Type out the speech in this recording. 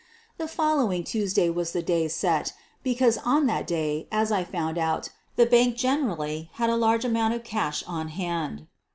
The following Tuesday was the day set, because on that day, as I had found out, the bank generally had a large amount of cash on hand.